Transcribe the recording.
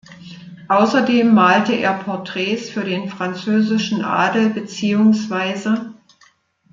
Außerdem malte er Porträts für den französischen Adel, bezw.